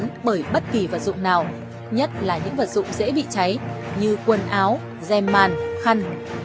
không bị chán bởi bất kỳ vật dụng nào nhất là những vật dụng dễ bị cháy như quần áo gem màn khăn